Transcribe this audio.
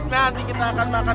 nanti kita akan makan